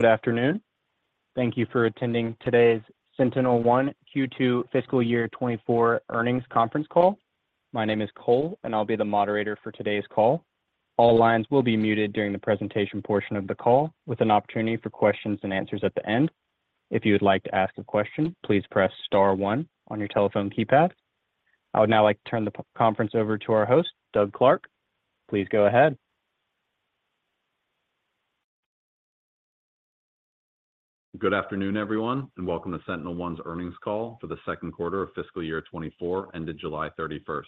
Good afternoon. Thank you for attending today's SentinelOne Q2 Fiscal Year 2024 Earnings Conference Call. My name is Cole, and I'll be the moderator for today's call. All lines will be muted during the presentation portion of the call, with an opportunity for questions and answers at the end. If you would like to ask a question, please press star one on your telephone keypad. I would now like to turn the conference over to our host, Doug Clark. Please go ahead. Good afternoon, everyone, and welcome to SentinelOne's earnings call for the second quarter of fiscal year 2024, ended July 31.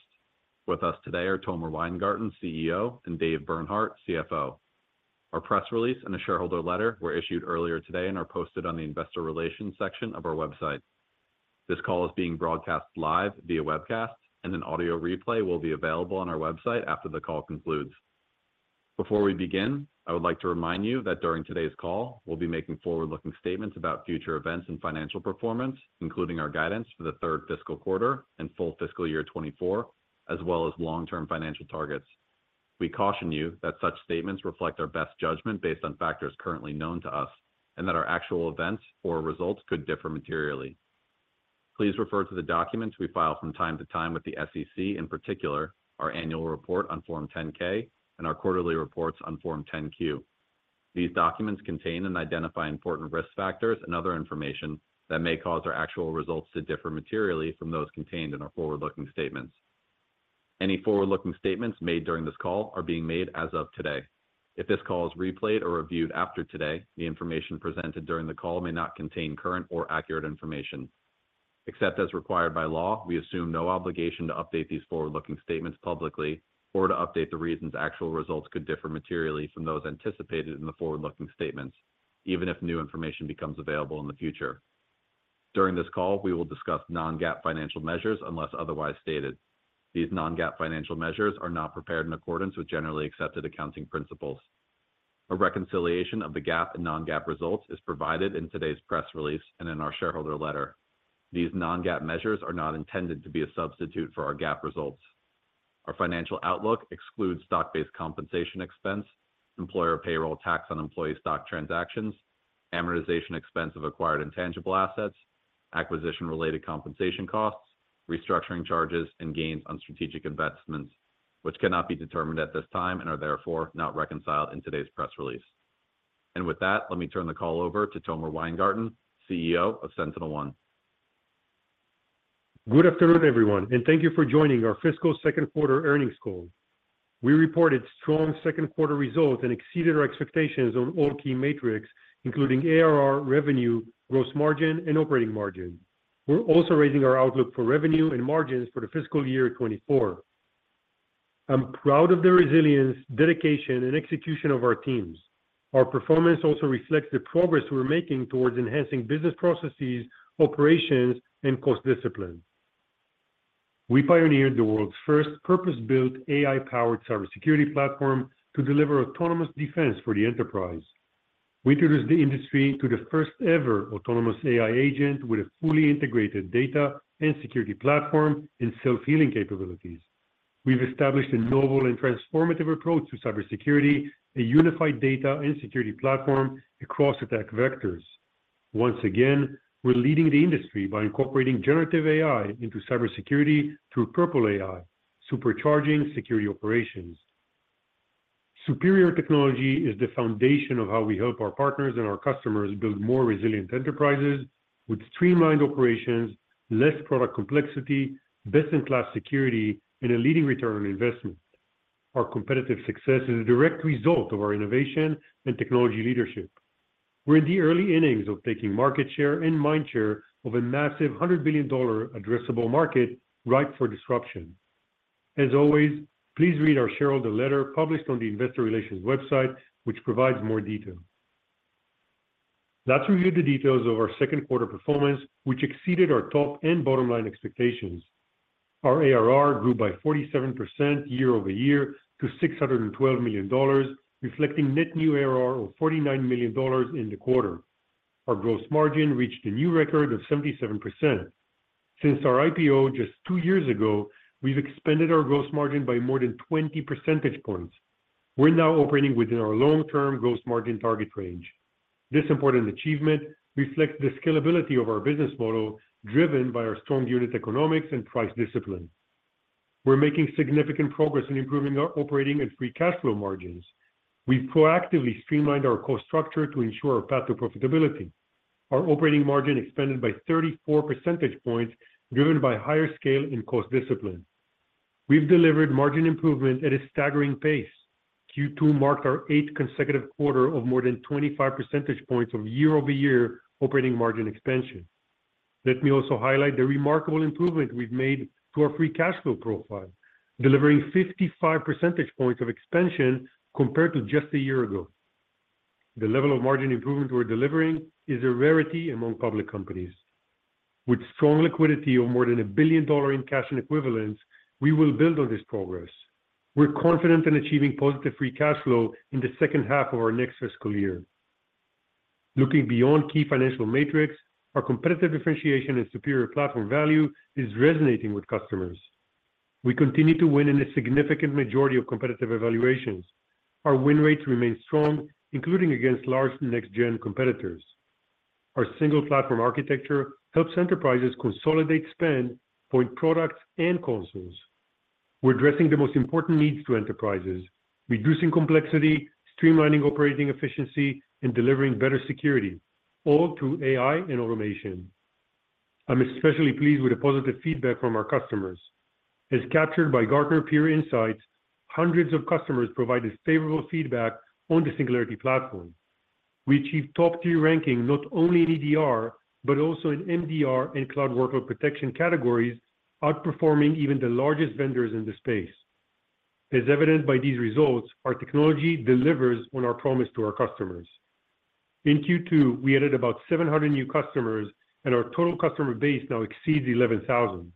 With us today are Tomer Weingarten, CEO, and Dave Bernhardt, CFO. Our press release and a shareholder letter were issued earlier today and are posted on the investor relations section of our website. This call is being broadcast live via webcast, and an audio replay will be available on our website after the call concludes. Before we begin, I would like to remind you that during today's call, we'll be making forward-looking statements about future events and financial performance, including our guidance for the third fiscal quarter and full fiscal year 2024, as well as long-term financial targets. We caution you that such statements reflect our best judgment based on factors currently known to us, and that our actual events or results could differ materially. Please refer to the documents we file from time to time with the SEC, in particular, our annual report on Form 10-K and our quarterly reports on Form 10-Q. These documents contain and identify important risk factors and other information that may cause our actual results to differ materially from those contained in our forward-looking statements. Any forward-looking statements made during this call are being made as of today. If this call is replayed or reviewed after today, the information presented during the call may not contain current or accurate information. Except as required by law, we assume no obligation to update these forward-looking statements publicly or to update the reasons actual results could differ materially from those anticipated in the forward-looking statements, even if new information becomes available in the future. During this call, we will discuss non-GAAP financial measures unless otherwise stated. These non-GAAP financial measures are not prepared in accordance with generally accepted accounting principles. A reconciliation of the GAAP and non-GAAP results is provided in today's press release and in our shareholder letter. These non-GAAP measures are not intended to be a substitute for our GAAP results. Our financial outlook excludes stock-based compensation expense, employer payroll tax on employee stock transactions, amortization expense of acquired intangible assets, acquisition-related compensation costs, restructuring charges, and gains on strategic investments, which cannot be determined at this time and are therefore not reconciled in today's press release. With that, let me turn the call over to Tomer Weingarten, CEO of SentinelOne. Good afternoon, everyone, and thank you for joining our fiscal second quarter earnings call. We reported strong second quarter results and exceeded our expectations on all key metrics, including ARR, revenue, gross margin, and operating margin. We're also raising our outlook for revenue and margins for the fiscal year 2024. I'm proud of the resilience, dedication, and execution of our teams. Our performance also reflects the progress we're making towards enhancing business processes, operations, and cost discipline. We pioneered the world's first purpose-built, AI-powered cybersecurity platform to deliver autonomous defense for the enterprise. We introduced the industry to the first-ever autonomous AI agent with a fully integrated data and security platform and self-healing capabilities. We've established a novel and transformative approach to cybersecurity, a unified data and security platform across attack vectors. Once again, we're leading the industry by incorporating generative AI into cybersecurity through Purple AI, supercharging security operations. Superior technology is the foundation of how we help our partners and our customers build more resilient enterprises with streamlined operations, less product complexity, best-in-class security, and a leading return on investment. Our competitive success is a direct result of our innovation and technology leadership. We're in the early innings of taking market share and mind share of a massive $100 billion addressable market ripe for disruption. As always, please read our shareholder letter published on the investor relations website, which provides more detail. Let's review the details of our second quarter performance, which exceeded our top and bottom line expectations. Our ARR grew by 47% year-over-year to $612 million, reflecting net new ARR of $49 million in the quarter. Our gross margin reached a new record of 77%. Since our IPO just two years ago, we've expanded our gross margin by more than 20 percentage points. We're now operating within our long-term gross margin target range. This important achievement reflects the scalability of our business model, driven by our strong unit economics and price discipline. We're making significant progress in improving our operating and free cash flow margins. We've proactively streamlined our cost structure to ensure a path to profitability. Our operating margin expanded by 34 percentage points, driven by higher scale and cost discipline. We've delivered margin improvement at a staggering pace. Q2 marked our eighth consecutive quarter of more than 25 percentage points of year-over-year operating margin expansion. Let me also highlight the remarkable improvement we've made to our free cash flow profile, delivering 55 percentage points of expansion compared to just a year ago. The level of margin improvement we're delivering is a rarity among public companies. With strong liquidity of more than $1 billion in cash and equivalents, we will build on this progress. We're confident in achieving positive free cash flow in the second half of our next fiscal year. Looking beyond key financial metrics, our competitive differentiation and superior platform value is resonating with customers. We continue to win in a significant majority of competitive evaluations. Our win rates remain strong, including against large next-gen competitors. Our single platform architecture helps enterprises consolidate spend for products and consoles. We're addressing the most important needs to enterprises: reducing complexity, streamlining operating efficiency, and delivering better security, all through AI and automation. I'm especially pleased with the positive feedback from our customers. As captured by Gartner Peer Insights, hundreds of customers provided favorable feedback on the Singularity Platform. We achieved top-tier ranking, not only in EDR, but also in MDR and cloud workload protection categories, outperforming even the largest vendors in the space. As evidenced by these results, our technology delivers on our promise to our customers. In Q2, we added about 700 new customers, and our total customer base now exceeds 11,000.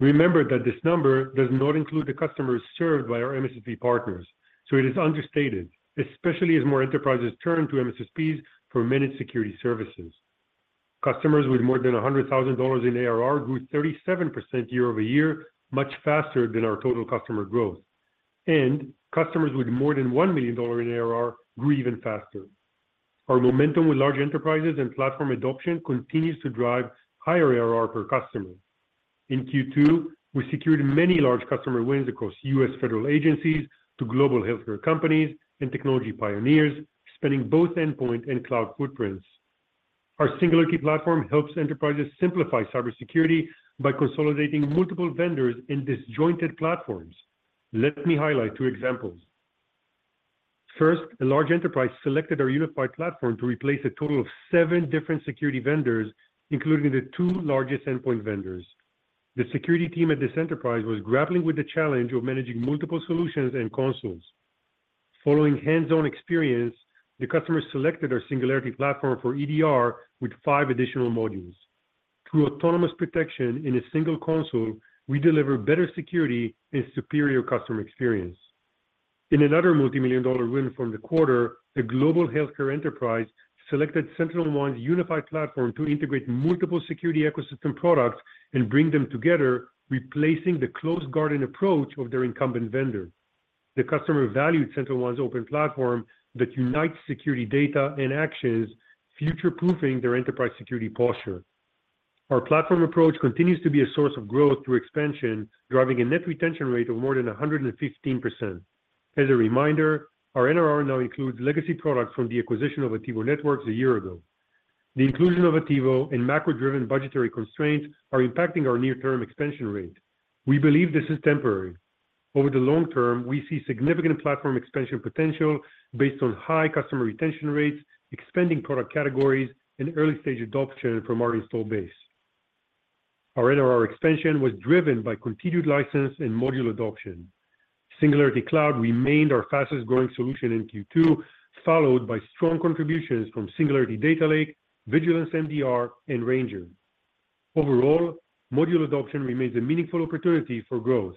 Remember that this number does not include the customers served by our MSSP partners, so it is understated, especially as more enterprises turn to MSSPs for managed security services. Customers with more than $100,000 in ARR grew 37% year-over-year, much faster than our total customer growth. Customers with more than $1 million in ARR grew even faster. Our momentum with large enterprises and platform adoption continues to drive higher ARR per customer. In Q2, we secured many large customer wins across U.S. federal agencies to global healthcare companies and technology pioneers, spanning both endpoint and cloud footprints. Our Singularity Platform helps enterprises simplify cybersecurity by consolidating multiple vendors in disjointed platforms. Let me highlight two examples. First, a large enterprise selected our unified platform to replace a total of seven different security vendors, including the two largest endpoint vendors. The security team at this enterprise was grappling with the challenge of managing multiple solutions and consoles. Following hands-on experience, the customer selected our Singularity Platform for EDR with five additional modules. Through autonomous protection in a single console, we deliver better security and superior customer experience. In another multimillion-dollar win from the quarter, a global healthcare enterprise selected SentinelOne's unified platform to integrate multiple security ecosystem products and bring them together, replacing the closed garden approach of their incumbent vendor. The customer valued SentinelOne's open platform that unites security data and actions, future-proofing their enterprise security posture. Our platform approach continues to be a source of growth through expansion, driving a net retention rate of more than 115%. As a reminder, our NRR now includes legacy products from the acquisition of Attivo Networks a year ago. The inclusion of Attivo and macro-driven budgetary constraints are impacting our near-term expansion rate. We believe this is temporary. Over the long term, we see significant platform expansion potential based on high customer retention rates, expanding product categories, and early-stage adoption from our install base. Our NRR expansion was driven by continued license and module adoption. Singularity Cloud remained our fastest-growing solution in Q2, followed by strong contributions from Singularity Data Lake, Vigilance MDR, and Ranger. Overall, module adoption remains a meaningful opportunity for growth,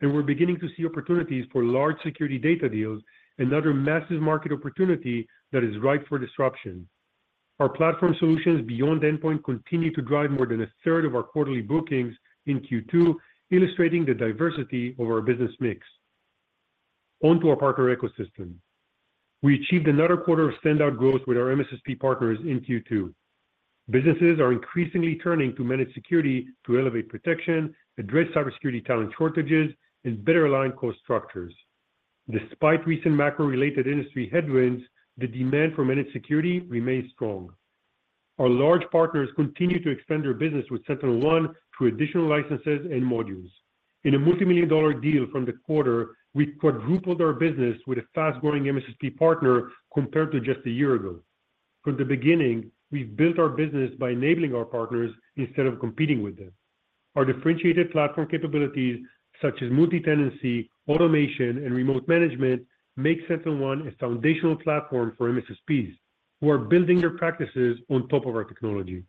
and we're beginning to see opportunities for large security data deals, another massive market opportunity that is ripe for disruption. Our platform solutions beyond endpoint continue to drive more than a third of our quarterly bookings in Q2, illustrating the diversity of our business mix. Onto our partner ecosystem. We achieved another quarter of standout growth with our MSSP partners in Q2. Businesses are increasingly turning to managed security to elevate protection, address cybersecurity talent shortages, and better align cost structures. Despite recent macro-related industry headwinds, the demand for managed security remains strong. Our large partners continue to expand their business with SentinelOne through additional licenses and modules. In a $ multimillion-dollar deal from the quarter, we quadrupled our business with a fast-growing MSSP partner compared to just a year ago. From the beginning, we've built our business by enabling our partners instead of competing with them. Our differentiated platform capabilities, such as multi-tenancy, automation, and remote management, make SentinelOne a foundational platform for MSSPs who are building their practices on top of our technology.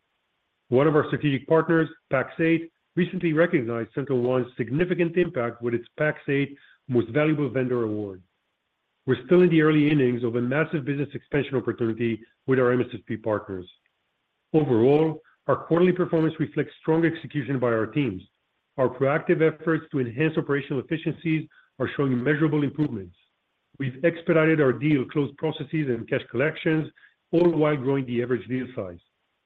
One of our strategic partners, Pax8, recently recognized SentinelOne's significant impact with its Pax8 Most Valuable Vendor award. We're still in the early innings of a massive business expansion opportunity with our MSSP partners. Overall, our quarterly performance reflects strong execution by our teams. Our proactive efforts to enhance operational efficiencies are showing measurable improvements. We've expedited our deal close processes and cash collections, all while growing the average deal size.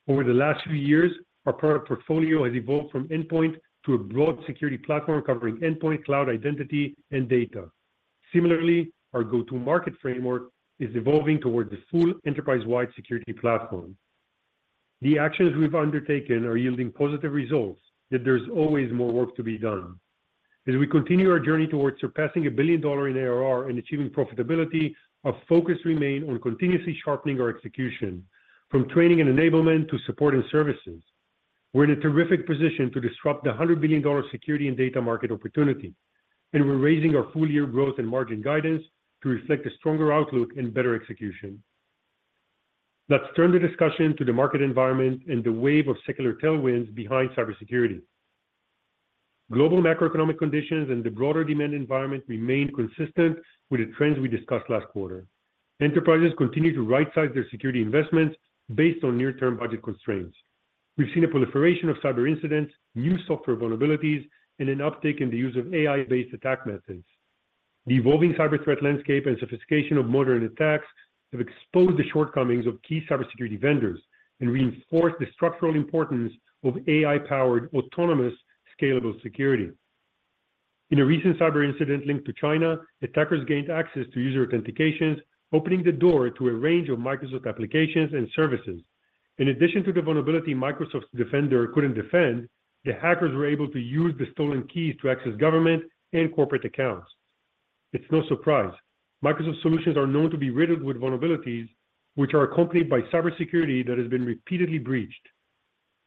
Over the last few years, our product portfolio has evolved from endpoint to a broad security platform covering endpoint, cloud, identity, and data. Similarly, our go-to-market framework is evolving towards a full enterprise-wide security platform. The actions we've undertaken are yielding positive results, yet there's always more work to be done. As we continue our journey towards surpassing $1 billion in ARR and achieving profitability, our focus remain on continuously sharpening our execution, from training and enablement to support and services. We're in a terrific position to disrupt the $100 billion security and data market opportunity, and we're raising our full-year growth and margin guidance to reflect a stronger outlook and better execution. Let's turn the discussion to the market environment and the wave of secular tailwinds behind cybersecurity. Global macroeconomic conditions and the broader demand environment remain consistent with the trends we discussed last quarter. Enterprises continue to rightsize their security investments based on near-term budget constraints. We've seen a proliferation of cyber incidents, new software vulnerabilities, and an uptick in the use of AI-based attack methods. The evolving cyber threat landscape and sophistication of modern attacks have exposed the shortcomings of key cybersecurity vendors and reinforced the structural importance of AI-powered, autonomous, scalable security. In a recent cyber incident linked to China, attackers gained access to user authentications, opening the door to a range of Microsoft applications and services. In addition to the vulnerability Microsoft Defender couldn't defend, the hackers were able to use the stolen keys to access government and corporate accounts. It's no surprise. Microsoft solutions are known to be riddled with vulnerabilities, which are accompanied by cybersecurity that has been repeatedly breached.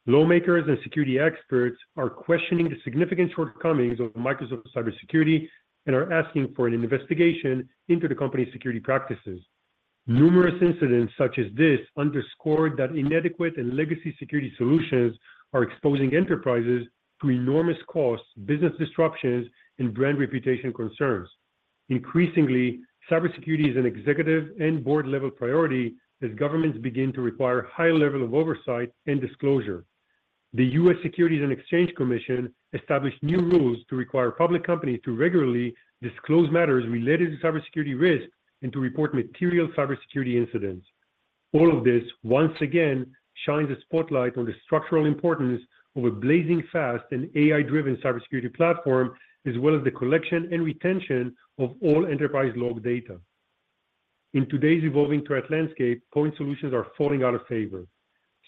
Lawmakers and security experts are questioning the significant shortcomings of Microsoft cybersecurity and are asking for an investigation into the company's security practices. Numerous incidents such as this underscored that inadequate and legacy security solutions are exposing enterprises to enormous costs, business disruptions, and brand reputation concerns. Increasingly, cybersecurity is an executive and board-level priority as governments begin to require high level of oversight and disclosure. The U.S. Securities and Exchange Commission established new rules to require public companies to regularly disclose matters related to cybersecurity risks and to report material cybersecurity incidents. All of this, once again, shines a spotlight on the structural importance of a blazing fast and AI-driven cybersecurity platform, as well as the collection and retention of all enterprise log data. In today's evolving threat landscape, point solutions are falling out of favor.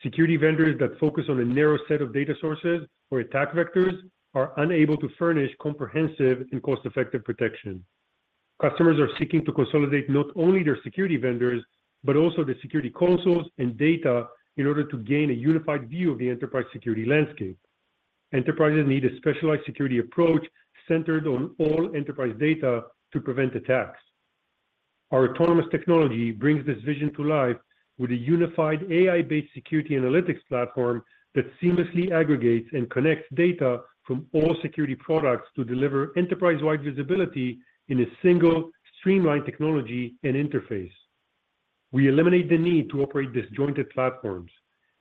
Security vendors that focus on a narrow set of data sources or attack vectors are unable to furnish comprehensive and cost-effective protection. Customers are seeking to consolidate not only their security vendors, but also the security consoles and data in order to gain a unified view of the enterprise security landscape. Enterprises need a specialized security approach centered on all enterprise data to prevent attacks. Our autonomous technology brings this vision to life with a unified AI-based security analytics platform that seamlessly aggregates and connects data from all security products to deliver enterprise-wide visibility in a single, streamlined technology and interface. We eliminate the need to operate disjointed platforms.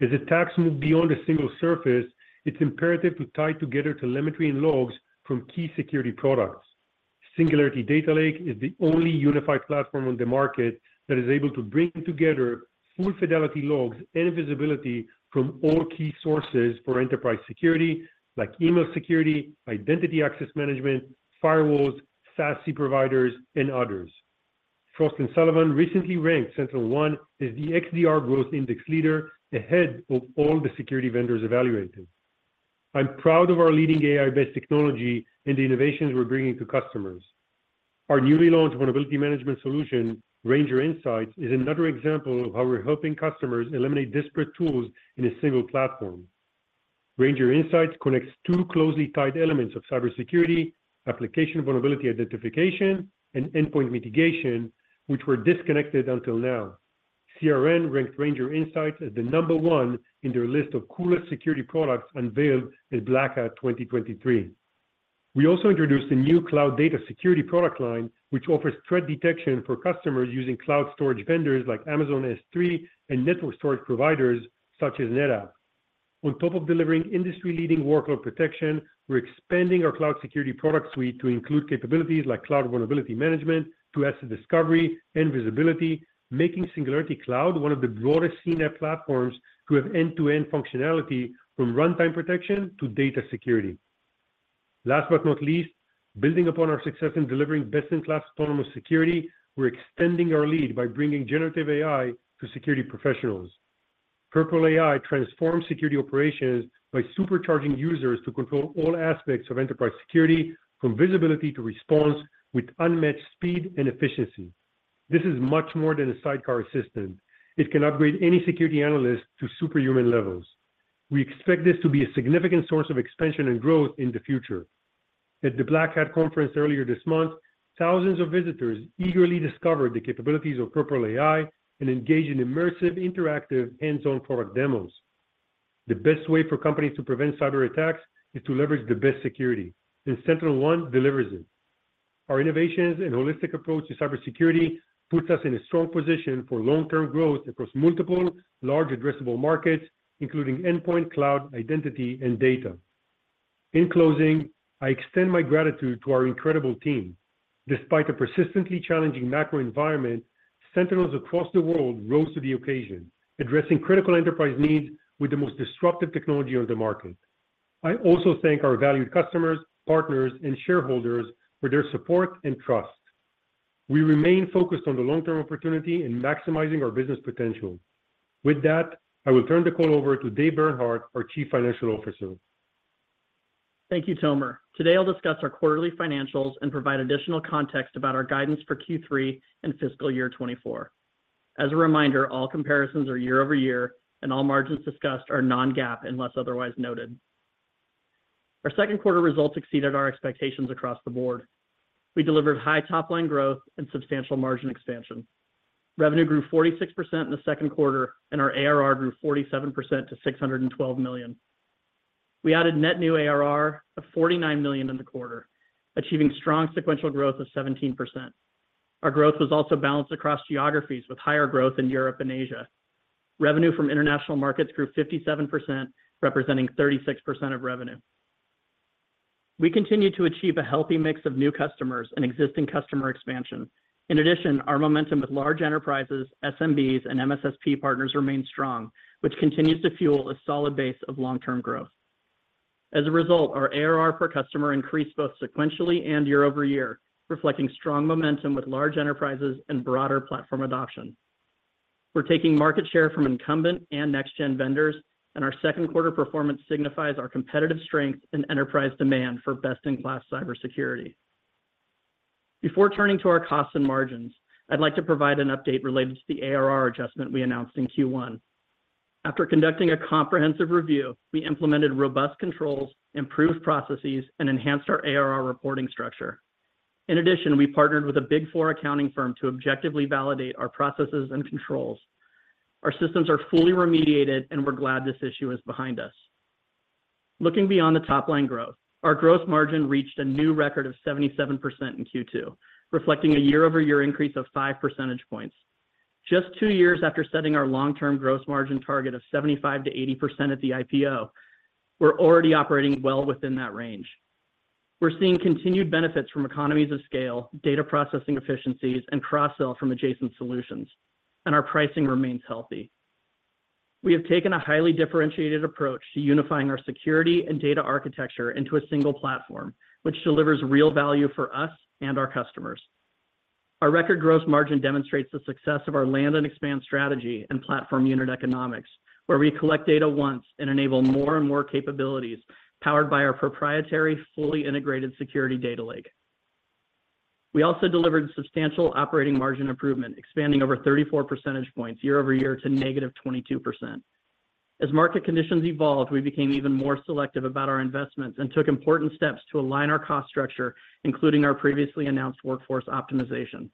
As attacks move beyond a single surface, it's imperative to tie together telemetry and logs from key security products. Singularity Data Lake is the only unified platform on the market that is able to bring together full fidelity logs and visibility from all key sources for enterprise security, like email security, identity access management, firewalls, SASE providers, and others. Frost & Sullivan recently ranked SentinelOne as the XDR Growth Index leader, ahead of all the security vendors evaluated. I'm proud of our leading AI-based technology and the innovations we're bringing to customers. Our newly launched vulnerability management solution, Ranger Insights, is another example of how we're helping customers eliminate disparate tools in a single platform. Ranger Insights connects two closely tied elements of cybersecurity, application vulnerability identification and endpoint mitigation, which were disconnected until now. CRN ranked Ranger Insights as the number one in their list of coolest security products unveiled at Black Hat 2023. We also introduced a new cloud data security product line, which offers threat detection for customers using cloud storage vendors like Amazon S3 and network storage providers such as NetApp. On top of delivering industry-leading workload protection, we're expanding our cloud security product suite to include capabilities like cloud vulnerability management, to asset discovery and visibility, making Singularity Cloud one of the broadest CNAPP platforms to have end-to-end functionality from runtime protection to data security. Last but not least, building upon our success in delivering best-in-class autonomous security, we're extending our lead by bringing generative AI to security professionals. Purple AI transforms security operations by supercharging users to control all aspects of enterprise security, from visibility to response, with unmatched speed and efficiency. This is much more than a sidecar assistant. It can upgrade any security analyst to superhuman levels. We expect this to be a significant source of expansion and growth in the future. At the Black Hat conference earlier this month, thousands of visitors eagerly discovered the capabilities of Purple AI and engaged in immersive, interactive, hands-on product demos. The best way for companies to prevent cyberattacks is to leverage the best security, and SentinelOne delivers it. Our innovations and holistic approach to cybersecurity puts us in a strong position for long-term growth across multiple large addressable markets, including endpoint, cloud, identity, and data. In closing, I extend my gratitude to our incredible team. Despite a persistently challenging macro environment, Sentinels across the world rose to the occasion, addressing critical enterprise needs with the most disruptive technology on the market. I also thank our valued customers, partners, and shareholders for their support and trust. We remain focused on the long-term opportunity and maximizing our business potential. With that, I will turn the call over to Dave Bernhardt, our Chief Financial Officer. Thank you, Tomer. Today, I'll discuss our quarterly financials and provide additional context about our guidance for Q3 and fiscal year 2024. As a reminder, all comparisons are year-over-year, and all margins discussed are non-GAAP unless otherwise noted. Our second quarter results exceeded our expectations across the board. We delivered high top-line growth and substantial margin expansion. Revenue grew 46% in the second quarter, and our ARR grew 47% to $612 million. We added net new ARR of $49 million in the quarter, achieving strong sequential growth of 17%. Our growth was also balanced across geographies, with higher growth in Europe and Asia. Revenue from international markets grew 57%, representing 36% of revenue. We continued to achieve a healthy mix of new customers and existing customer expansion. In addition, our momentum with large enterprises, SMBs, and MSSP partners remained strong, which continues to fuel a solid base of long-term growth. As a result, our ARR per customer increased both sequentially and year-over-year, reflecting strong momentum with large enterprises and broader platform adoption. We're taking market share from incumbent and next-gen vendors, and our second quarter performance signifies our competitive strength and enterprise demand for best-in-class cybersecurity. Before turning to our costs and margins, I'd like to provide an update related to the ARR adjustment we announced in Q1. After conducting a comprehensive review, we implemented robust controls, improved processes, and enhanced our ARR reporting structure. In addition, we partnered with a Big Four accounting firm to objectively validate our processes and controls. Our systems are fully remediated, and we're glad this issue is behind us. Looking beyond the top-line growth, our growth margin reached a new record of 77% in Q2, reflecting a year-over-year increase of 5 percentage points. Just 2 years after setting our long-term growth margin target of 75%-80% at the IPO, we're already operating well within that range. We're seeing continued benefits from economies of scale, data processing efficiencies, and cross-sell from adjacent solutions, and our pricing remains healthy. We have taken a highly differentiated approach to unifying our security and data architecture into a single platform, which delivers real value for us and our customers. Our record growth margin demonstrates the success of our land and expand strategy and platform unit economics, where we collect data once and enable more and more capabilities, powered by our proprietary, fully integrated security data lake. We also delivered substantial operating margin improvement, expanding over 34 percentage points year-over-year to -22%. As market conditions evolved, we became even more selective about our investments and took important steps to align our cost structure, including our previously announced workforce optimization.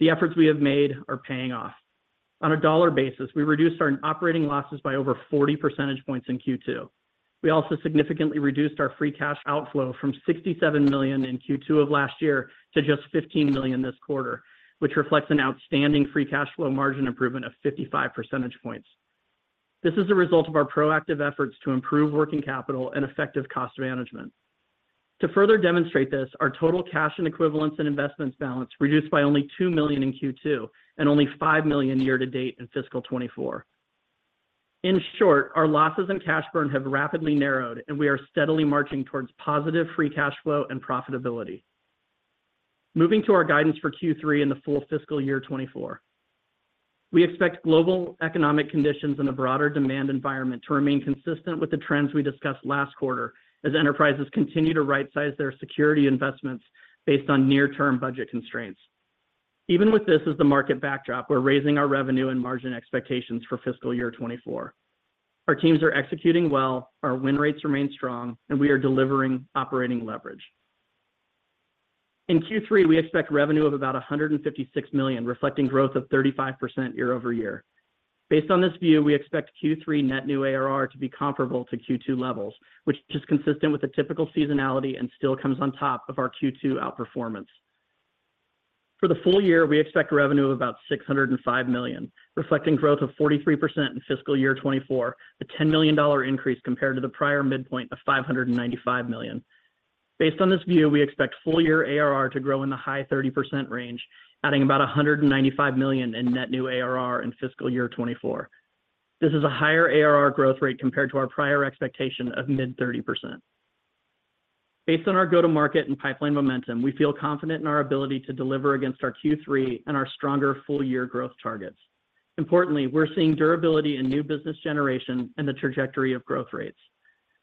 The efforts we have made are paying off. On a dollar basis, we reduced our operating losses by over 40 percentage points in Q2. We also significantly reduced our free cash outflow from $67 million in Q2 of last year to just $15 million this quarter, which reflects an outstanding free cash flow margin improvement of 55 percentage points. This is a result of our proactive efforts to improve working capital and effective cost management. To further demonstrate this, our total cash and equivalents and investments balance reduced by only $2 million in Q2 and only $5 million year to date in fiscal 2024. In short, our losses and cash burn have rapidly narrowed, and we are steadily marching towards positive free cash flow and profitability. Moving to our guidance for Q3 and the full fiscal year 2024. We expect global economic conditions and a broader demand environment to remain consistent with the trends we discussed last quarter, as enterprises continue to rightsize their security investments based on near-term budget constraints. Even with this as the market backdrop, we're raising our revenue and margin expectations for fiscal year 2024. Our teams are executing well, our win rates remain strong, and we are delivering operating leverage. In Q3, we expect revenue of about $156 million, reflecting growth of 35% year over year. Based on this view, we expect Q3 net new ARR to be comparable to Q2 levels, which is consistent with the typical seasonality and still comes on top of our Q2 outperformance. For the full year, we expect revenue of about $605 million, reflecting growth of 43% in fiscal year 2024, a $10 million increase compared to the prior midpoint of $595 million. Based on this view, we expect full year ARR to grow in the high 30% range, adding about $195 million in net new ARR in fiscal year 2024. This is a higher ARR growth rate compared to our prior expectation of mid 30%. Based on our go-to-market and pipeline momentum, we feel confident in our ability to deliver against our Q3 and our stronger full year growth targets. Importantly, we're seeing durability in new business generation and the trajectory of growth rates.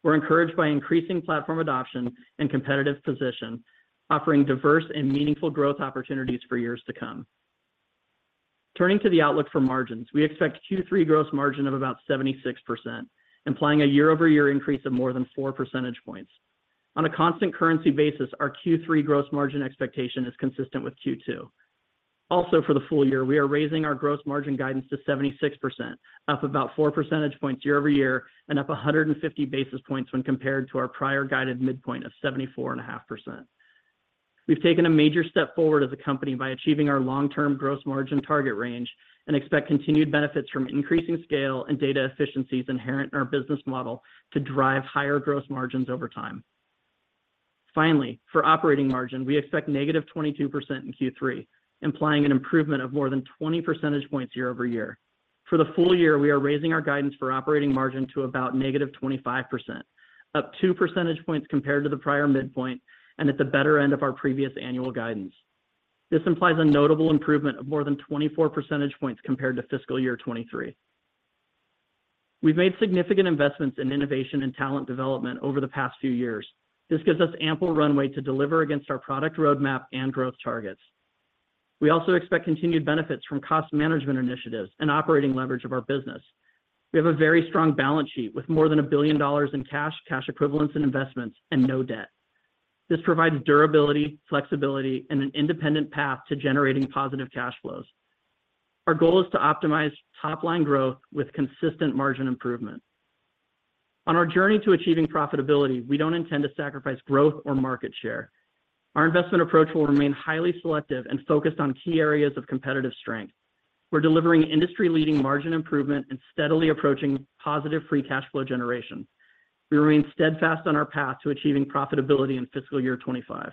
We're encouraged by increasing platform adoption and competitive position, offering diverse and meaningful growth opportunities for years to come. Turning to the outlook for margins, we expect Q3 growth margin of about 76%, implying a year-over-year increase of more than four percentage points. On a constant currency basis, our Q3 growth margin expectation is consistent with Q2. Also, for the full year, we are raising our growth margin guidance to 76%, up about four percentage points year-over-year, and up 150 basis points when compared to our prior guided midpoint of 74.5%. We've taken a major step forward as a company by achieving our long-term growth margin target range, and expect continued benefits from increasing scale and data efficiencies inherent in our business model to drive higher growth margins over time. Finally, for operating margin, we expect negative 22% in Q3, implying an improvement of more than 20 percentage points year-over-year. For the full year, we are raising our guidance for operating margin to about negative 25%, up 2 percentage points compared to the prior midpoint and at the better end of our previous annual guidance. This implies a notable improvement of more than 24 percentage points compared to fiscal year 2023. We've made significant investments in innovation and talent development over the past few years. This gives us ample runway to deliver against our product roadmap and growth targets. We also expect continued benefits from cost management initiatives and operating leverage of our business. We have a very strong balance sheet with more than $1 billion in cash, cash equivalents, and investments, and no debt. This provides durability, flexibility, and an independent path to generating positive cash flows.... Our goal is to optimize top-line growth with consistent margin improvement. On our journey to achieving profitability, we don't intend to sacrifice growth or market share. Our investment approach will remain highly selective and focused on key areas of competitive strength. We're delivering industry-leading margin improvement and steadily approaching positive free cash flow generation. We remain steadfast on our path to achieving profitability in fiscal year 25.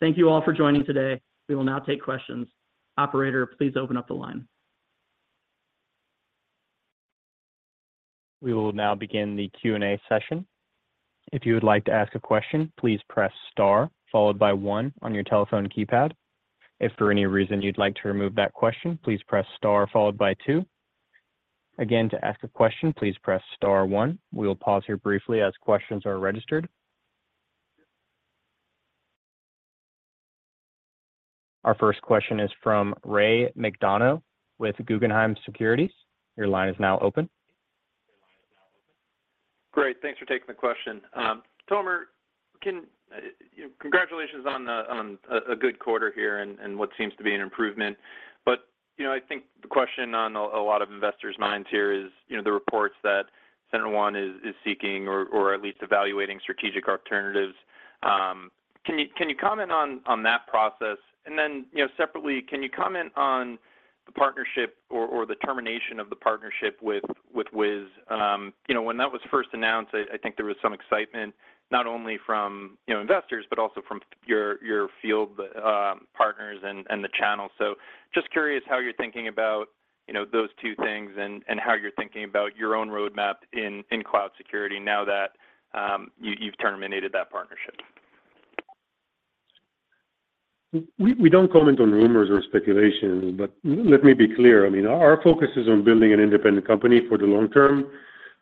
Thank you all for joining today. We will now take questions. Operator, please open up the line. We will now begin the Q&A session. If you would like to ask a question, please press Star followed by one on your telephone keypad. If for any reason you'd like to remove that question, please press Star followed by two. Again, to ask a question, please press Star one. We will pause here briefly as questions are registered. Our first question is from Ray McDonough with Guggenheim Securities. Your line is now open. Great. Thanks for taking the question. Tomer, congratulations on the, on, a good quarter here and, and what seems to be an improvement. But, you know, I think the question on a lot of investors' minds here is, you know, the reports that SentinelOne is seeking or at least evaluating strategic alternatives. Can you comment on that process? And then, you know, separately, can you comment on the partnership or the termination of the partnership with Wiz? You know, when that was first announced, I think there was some excitement, not only from, you know, investors, but also from your field partners and the channel. Just curious how you're thinking about, you know, those two things and how you're thinking about your own roadmap in cloud security now that you've terminated that partnership. We don't comment on rumors or speculation, but let me be clear. I mean, our focus is on building an independent company for the long term.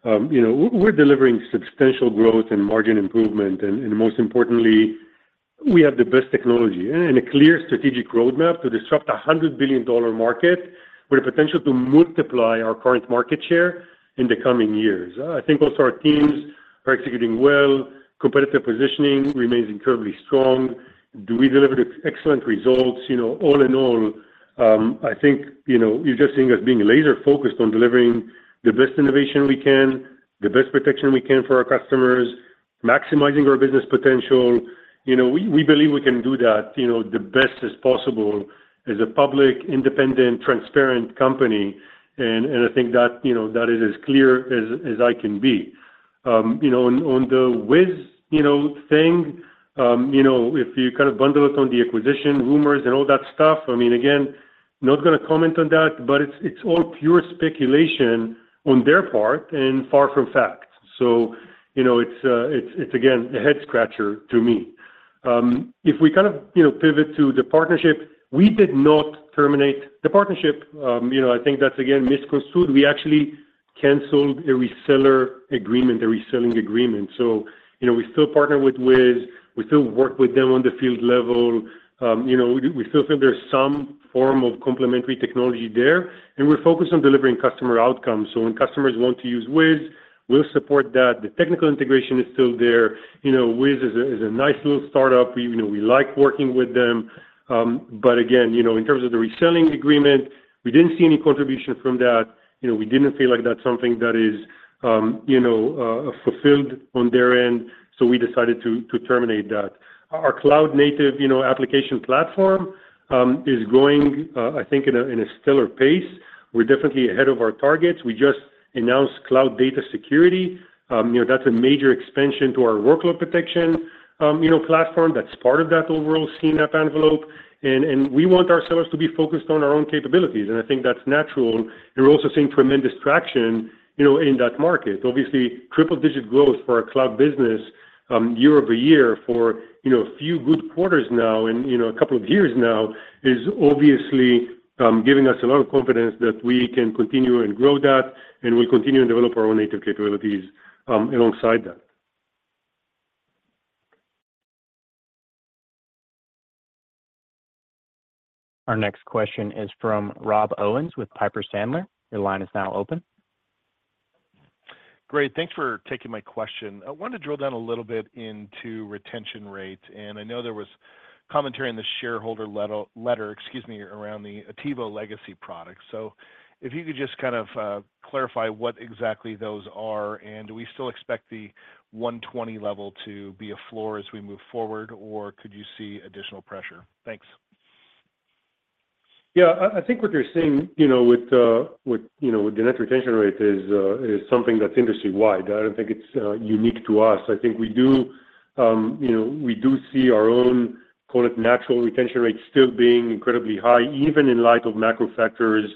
You know, we're delivering substantial growth and margin improvement, and most importantly, we have the best technology and a clear strategic roadmap to disrupt a $100 billion market with a potential to multiply our current market share in the coming years. I think also our teams are executing well, competitive positioning remains incredibly strong. Do we deliver the excellent results? You know, all in all, I think, you know, you're just seeing us being laser-focused on delivering the best innovation we can, the best protection we can for our customers, maximizing our business potential. You know, we believe we can do that, you know, the best as possible as a public, independent, transparent company, and I think that, you know, that is as clear as I can be. You know, on the Wiz thing, you know, if you kind of bundle it on the acquisition rumors and all that stuff, I mean, again, not gonna comment on that, but it's all pure speculation on their part and far from fact. So, you know, it's again, a head scratcher to me. If we kind of, you know, pivot to the partnership, we did not terminate the partnership. You know, I think that's again, misconstrued. We actually canceled a reseller agreement, a reselling agreement. So, you know, we still partner with Wiz, we still work with them on the field level. You know, we do, we still think there's some form of complementary technology there, and we're focused on delivering customer outcomes. So when customers want to use Wiz, we'll support that. The technical integration is still there. You know, Wiz is a nice little startup. We, you know, we like working with them. But again, you know, in terms of the reselling agreement, we didn't see any contribution from that. You know, we didn't feel like that's something that is, you know, fulfilled on their end, so we decided to terminate that. Our cloud native, you know, application platform is going, I think in a stellar pace. We're definitely ahead of our targets. We just announced cloud data security. You know, that's a major expansion to our workload protection, you know, platform that's part of that overall CNAPP envelope. And we want ourselves to be focused on our own capabilities, and I think that's natural. We're also seeing tremendous traction, you know, in that market. Obviously, triple-digit growth for our cloud business, year-over-year for, you know, a few good quarters now and, you know, a couple of years now, is obviously giving us a lot of confidence that we can continue and grow that, and we continue to develop our own native capabilities, alongside that. Our next question is from Rob Owens with Piper Sandler. Your line is now open. Great. Thanks for taking my question. I wanted to drill down a little bit into retention rates, and I know there was commentary in the shareholder letter, excuse me, around the Attivo legacy product. So if you could just kind of clarify what exactly those are, and do we still expect the 120 level to be a floor as we move forward, or could you see additional pressure? Thanks. Yeah, I think what you're seeing, you know, with, you know, with the net retention rate is something that's industry-wide. I don't think it's unique to us. I think we do, you know, we do see our own, call it natural retention rate, still being incredibly high, even in light of macro factors,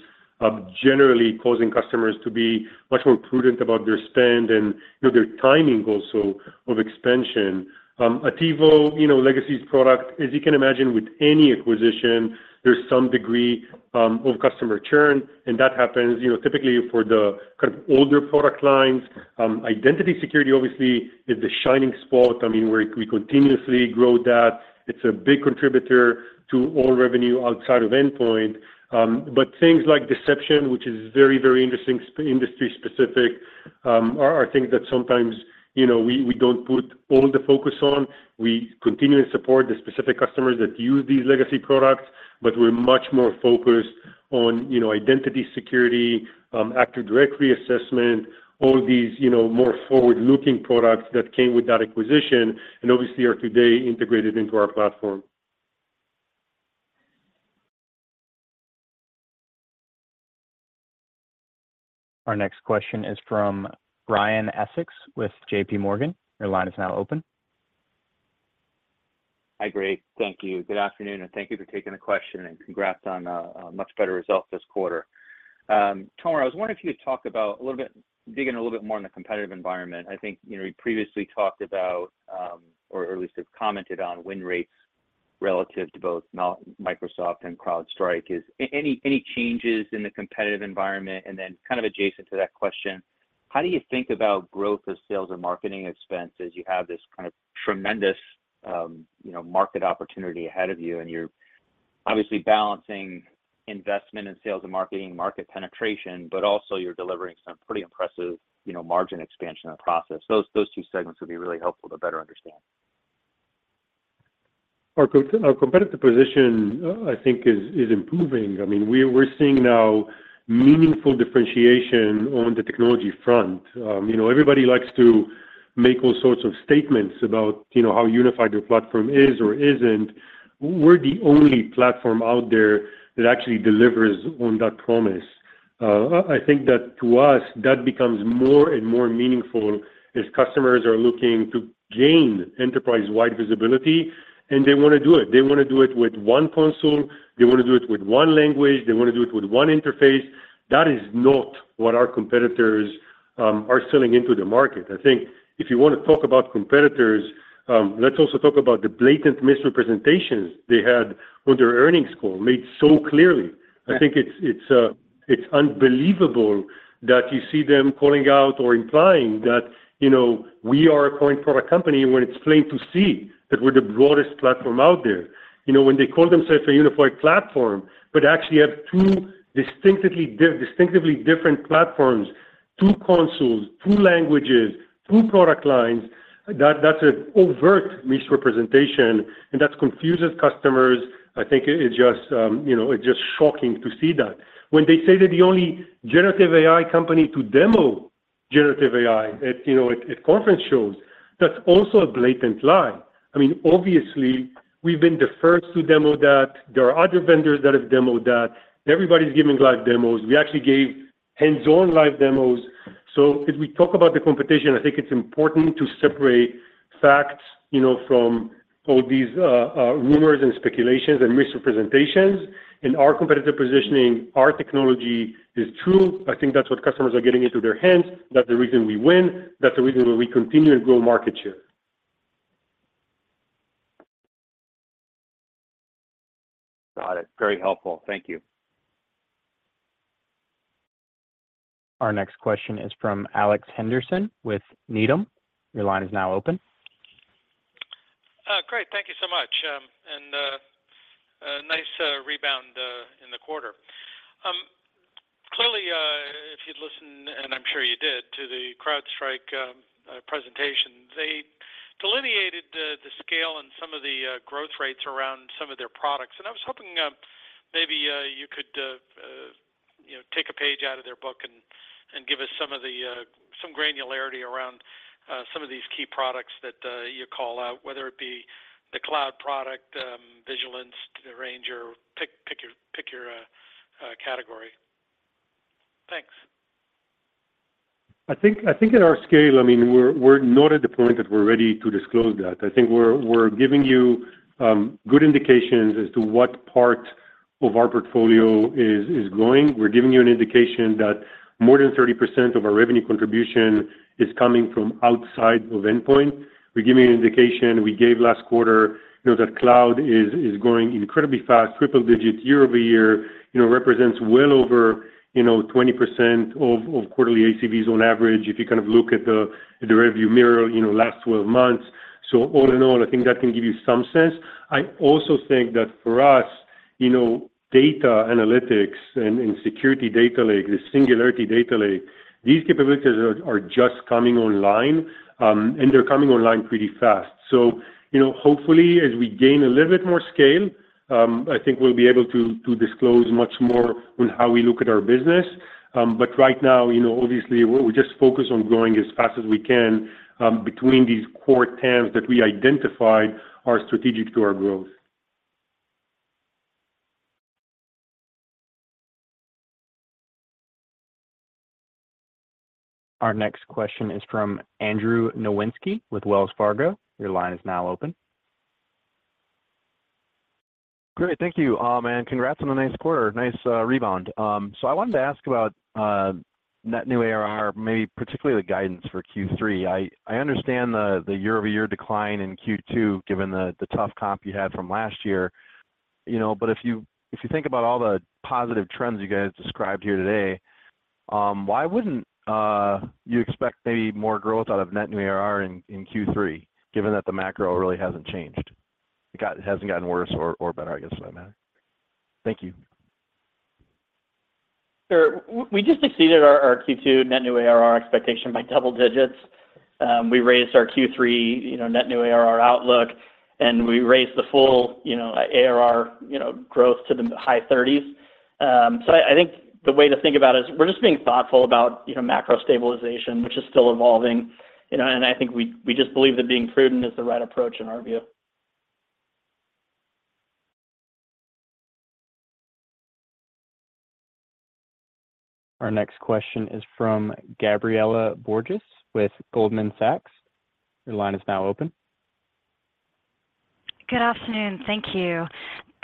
generally causing customers to be much more prudent about their spend and, you know, their timing also of expansion. Attivo, you know, legacy product, as you can imagine, with any acquisition, there's some degree of customer churn, and that happens, you know, typically for the kind of older product lines. Identity security, obviously, is the shining spot. I mean, we continuously grow that. It's a big contributor to all revenue outside of endpoint. But things like deception, which is very, very interesting, industry specific, are things that sometimes, you know, we don't put all the focus on. We continue to support the specific customers that use these legacy products, but we're much more focused on, you know, identity security, Active Directory assessment, all these, you know, more forward-looking products that came with that acquisition, and obviously are today integrated into our platform. Our next question is from Brian Essex with JP Morgan. Your line is now open. Hi, Greg. Thank you. Good afternoon, and thank you for taking the question, and congrats on a much better result this quarter. Tomorrow, I was wondering if you could talk about a little bit, dig in a little bit more in the competitive environment. I think, you know, you previously talked about, or at least have commented on win rates relative to both Palo Alto, Microsoft and CrowdStrike. Is any changes in the competitive environment? And then kind of adjacent to that question, how do you think about growth of sales and marketing expenses? You have this kind of tremendous, you know, market opportunity ahead of you, and you're obviously balancing investment in sales and marketing, market penetration, but also you're delivering some pretty impressive, you know, margin expansion in the process. Those two segments would be really helpful to better understand. Our competitive position, I think is improving. I mean, we're seeing now meaningful differentiation on the technology front. You know, everybody likes to make all sorts of statements about, you know, how unified their platform is or isn't. We're the only platform out there that actually delivers on that promise. I think that to us, that becomes more and more meaningful as customers are looking to gain enterprise-wide visibility, and they wanna do it. They wanna do it with one console, they wanna do it with one language, they wanna do it with one interface. That is not what our competitors are selling into the market. I think if you wanna talk about competitors, let's also talk about the blatant misrepresentations they had on their earnings call, made so clearly. I think it's unbelievable that you see them calling out or implying that, you know, we are a point product company, when it's plain to see that we're the broadest platform out there. You know, when they call themselves a unified platform, but actually have two distinctively different platforms, two consoles, two languages, two product lines, that, that's an overt misrepresentation, and that confuses customers. I think it just, you know, it's just shocking to see that. When they say they're the only generative AI company to demo generative AI at, you know, at conference shows, that's also a blatant lie. I mean, obviously, we've been the first to demo that. There are other vendors that have demoed that. Everybody's giving live demos. We actually gave hands-on live demos. So if we talk about the competition, I think it's important to separate facts, you know, from all these, rumors and speculations and misrepresentations. In our competitive positioning, our technology is true. I think that's what customers are getting into their hands. That's the reason we win. That's the reason why we continue to grow market share. Got it. Very helpful. Thank you. Our next question is from Alex Henderson with Needham. Your line is now open. Great. Thank you so much, and a nice rebound in the quarter. Clearly, if you'd listen, and I'm sure you did, to the CrowdStrike presentation, they delineated the scale and some of the growth rates around some of their products. And I was hoping, maybe you could, you know, take a page out of their book and give us some of the some granularity around some of these key products that you call out, whether it be the cloud product, Vigilance, the Ranger. Pick your category. Thanks. I think, I think at our scale, I mean, we're, we're not at the point that we're ready to disclose that. I think we're, we're giving you good indications as to what part of our portfolio is, is growing. We're giving you an indication that more than 30% of our revenue contribution is coming from outside of endpoint. We're giving you an indication, we gave last quarter, you know, that cloud is, is growing incredibly fast, triple digits year-over-year, you know, represents well over, you know, 20% of quarterly ACVs on average, if you kind of look at the, the revenue mirror, you know, last 12 months. So all in all, I think that can give you some sense. I also think that for us, you know, data analytics and security data lake, the Singularity Data Lake, these capabilities are just coming online, and they're coming online pretty fast. So, you know, hopefully, as we gain a little bit more scale, I think we'll be able to disclose much more on how we look at our business. But right now, you know, obviously, we'll just focus on growing as fast as we can, between these core themes that we identified are strategic to our growth. Our next question is from Andrew Nowinski with Wells Fargo. Your line is now open. Great, thank you, and congrats on a nice quarter. Nice, rebound. So I wanted to ask about net new ARR, maybe particularly the guidance for Q3. I understand the year-over-year decline in Q2, given the tough comp you had from last year, you know, but if you think about all the positive trends you guys described here today, why wouldn't you expect maybe more growth out of net new ARR in Q3, given that the macro really hasn't changed? It hasn't gotten worse or better, I guess, by the matter? Thank you. Sure. We just exceeded our Q2 net new ARR expectation by double digits. We raised our Q3, you know, net new ARR outlook, and we raised the full, you know, ARR, you know, growth to the high thirties. So I think the way to think about it is, we're just being thoughtful about, you know, macro stabilization, which is still evolving, you know, and I think we just believe that being prudent is the right approach in our view. Our next question is from Gabriela Borges with Goldman Sachs. Your line is now open. Good afternoon. Thank you.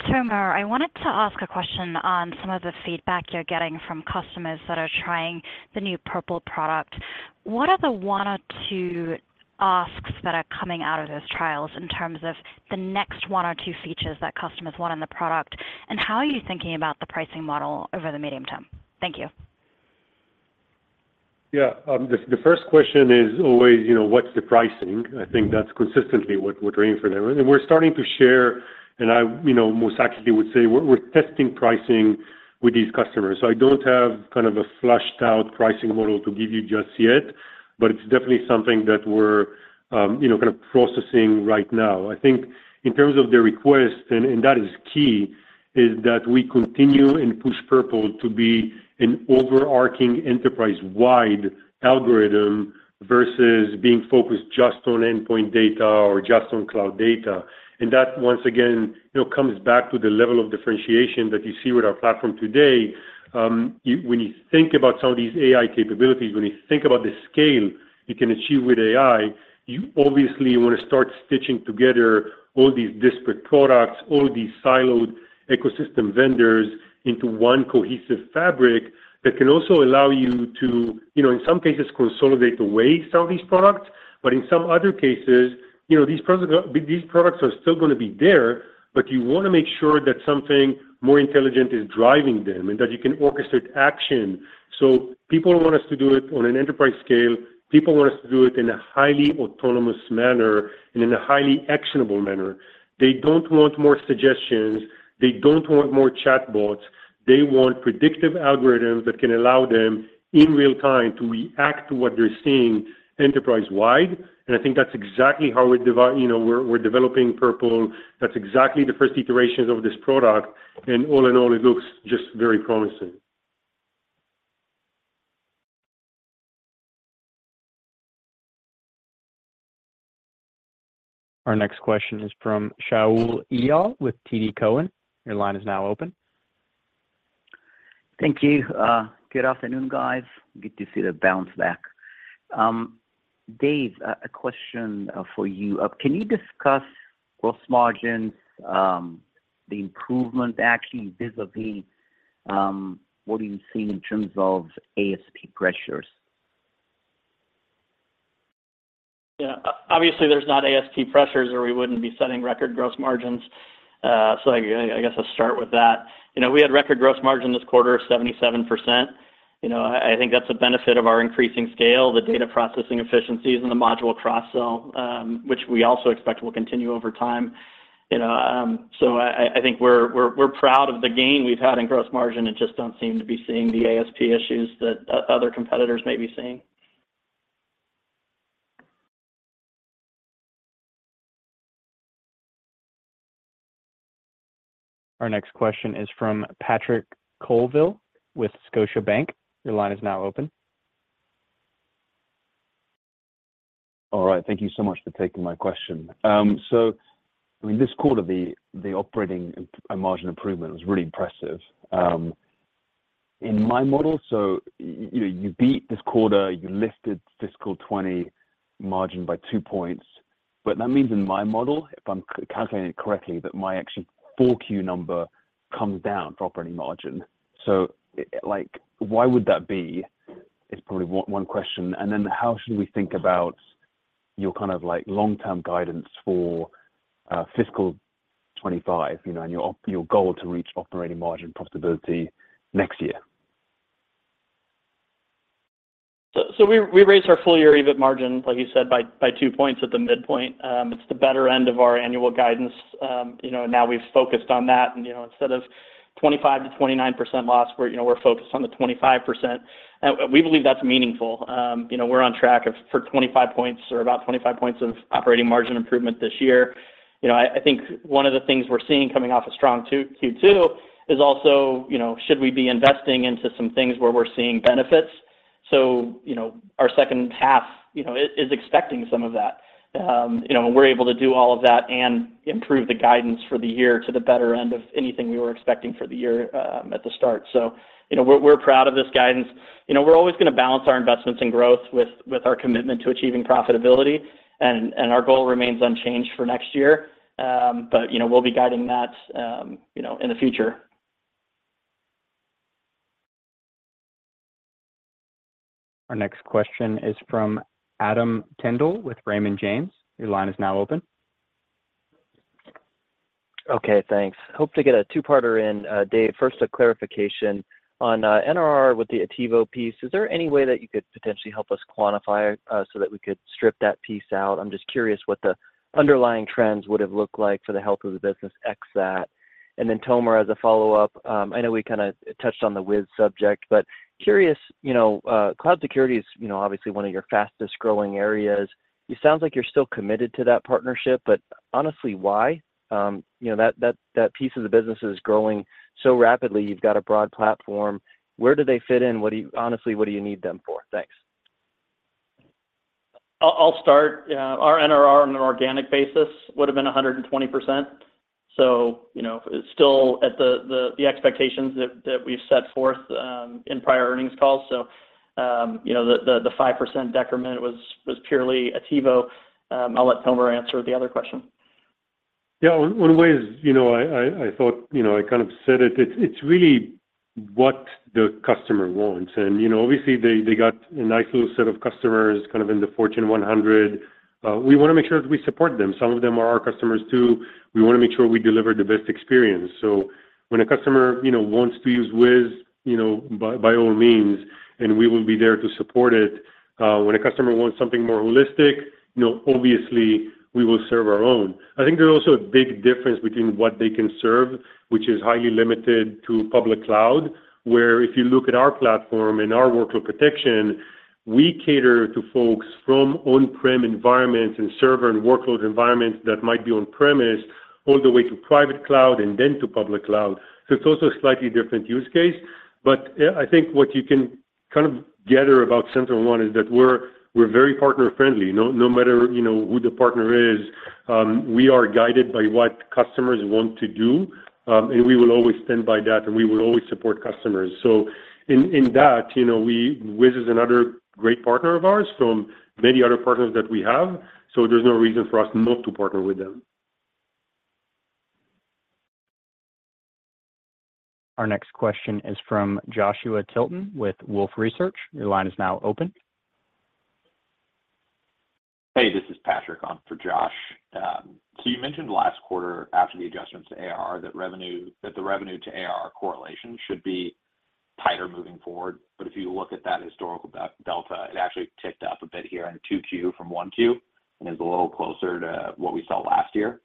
Tomer, I wanted to ask a question on some of the feedback you're getting from customers that are trying the new Purple product. What are the one or two asks that are coming out of those trials in terms of the next one or two features that customers want in the product? And how are you thinking about the pricing model over the medium term? Thank you. Yeah. The first question is always, you know, what's the pricing? I think that's consistently what we're hearing from everyone. And we're starting to share, and I, you know, most accurately would say, we're testing pricing with these customers. So I don't have kind of a fleshed out pricing model to give you just yet, but it's definitely something that we're, you know, kind of processing right now. I think in terms of the request, and that is key, is that we continue and push Purple to be an overarching enterprise-wide algorithm, versus being focused just on endpoint data or just on cloud data. And that, once again, you know, comes back to the level of differentiation that you see with our platform today. When you think about some of these AI capabilities, when you think about the scale you can achieve with AI, you obviously want to start stitching together all these disparate products, all these siloed ecosystem vendors into one cohesive fabric that can also allow you to, you know, in some cases, consolidate the way some of these products. But in some other cases, you know, these products are still gonna be there, but you wanna make sure that something more intelligent is driving them, and that you can orchestrate action. So people want us to do it on an enterprise scale, people want us to do it in a highly autonomous manner and in a highly actionable manner. They don't want more suggestions. They don't want more chatbots. They want predictive algorithms that can allow them, in real time, to react to what they're seeing enterprise-wide. I think that's exactly how we Dave you know, we're, we're developing Purple. That's exactly the first iterations of this product. And all in all, it looks just very promising. Our next question is from Shaul Eyal with TD Cowen. Your line is now open. Thank you. Good afternoon, guys. Good to see the bounce back. Dave, a question for you. Can you discuss gross margins, the improvement actually vis-à-vis, what are you seeing in terms of ASP pressures? Yeah. Obviously, there's not ASP pressures, or we wouldn't be setting record gross margins. So I guess I'll start with that. You know, we had record gross margin this quarter of 77%. You know, I think that's a benefit of our increasing scale, the data processing efficiencies and the module cross-sell, which we also expect will continue over time. You know, so I think we're proud of the gain we've had in gross margin and just don't seem to be seeing the ASP issues that other competitors may be seeing. Our next question is from Patrick Colville with Scotiabank. Your line is now open. All right. Thank you so much for taking my question. So I mean, this quarter, the operating margin improvement was really impressive. In my model, so you know, you beat this quarter, you lifted fiscal 2020 margin by 2 points. But that means in my model, if I'm calculating it correctly, that my actual full Q number comes down to operating margin. So like, why would that be? Is probably one question, and then how should we think about your kind of like long-term guidance for fiscal 2025, you know, and your goal to reach operating margin profitability next year? So we raised our full-year EBIT margin, like you said, by 2 points at the midpoint. It's the better end of our annual guidance. You know, now we've focused on that and, you know, instead of 25%-29% loss, we're focused on the 25%. We believe that's meaningful. You know, we're on track for 25 points or about 25 points of operating margin improvement this year. You know, I think one of the things we're seeing coming off a strong Q2 is also, you know, should we be investing into some things where we're seeing benefits? So, you know, our second half is expecting some of that. You know, and we're able to do all of that and improve the guidance for the year to the better end of anything we were expecting for the year, at the start. So, you know, we're proud of this guidance. You know, we're always gonna balance our investments in growth with our commitment to achieving profitability, and our goal remains unchanged for next year. But, you know, we'll be guiding that, you know, in the future. Our next question is from Adam Kendle with Raymond James. Your line is now open. Okay, thanks. Hope to get a two-parter in, Dave. First, a clarification on NRR with the Attivo piece. Is there any way that you could potentially help us quantify so that we could strip that piece out? I'm just curious what the underlying trends would have looked like for the health of the business ex that. And then, Tomer, as a follow-up, I know we kinda touched on the Wiz subject, but curious, you know, cloud security is, you know, obviously one of your fastest-growing areas. It sounds like you're still committed to that partnership, but honestly, why? You know, that, that, that piece of the business is growing so rapidly. You've got a broad platform. Where do they fit in? What do you need them for? Thanks. I'll start. Our NRR on an organic basis would have been 100%. So, you know, it's still at the expectations that we've set forth in prior earnings calls. So, you know, the 5% decrement was purely Attivo. I'll let Tomer answer the other question. Yeah, one way is, you know, I thought, you know, I kind of said it. It's really what the customer wants. And, you know, obviously, they got a nice little set of customers, kind of in the Fortune 100. We wanna make sure that we support them. Some of them are our customers, too. We wanna make sure we deliver the best experience. So when a customer, you know, wants to use Wiz, you know, by all means, and we will be there to support it. When a customer wants something more holistic, you know, obviously, we will serve our own. I think there's also a big difference between what they can serve, which is highly limited to public cloud, where if you look at our platform and our workload protection, we cater to folks from on-prem environments and server and workload environments that might be on-premise all the way to private cloud and then to public cloud. So it's also a slightly different use case. But, yeah, I think what you can kind of gather about SentinelOne is that we're very partner-friendly. No matter, you know, who the partner is, we are guided by what customers want to do, and we will always stand by that, and we will always support customers. So in that, you know, we, Wiz is another great partner of ours from many other partners that we have, so there's no reason for us not to partner with them. Our next question is from Joshua Tilton with Wolfe Research. Your line is now open. Hey, this is Patrick on for Josh. So you mentioned last quarter after the adjustments to ARR that revenue - that the revenue to ARR correlation should be tighter moving forward. But if you look at that historical delta, it actually ticked up a bit here in 2Q from 1Q, and is a little closer to what we saw last year.